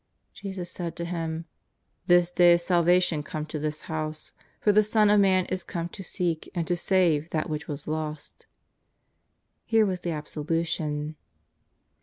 Jesus said to him :" This day is salvation come to this house. For the Son of Man is come to seek and to save that which was lost." Here was the absolution.